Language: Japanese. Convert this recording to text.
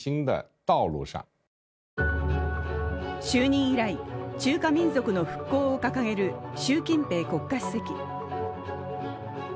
就任以来、中華民族の復興を掲げる習近平国家主席。